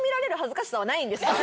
ないんですか？